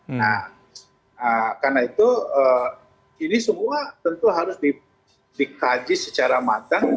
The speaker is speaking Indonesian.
nah karena itu ini semua tentu harus dikaji secara matang